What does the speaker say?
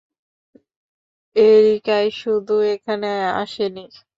এরিকাই শুধু এখানে আসেনি।